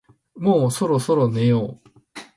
もうそろそろ寝よう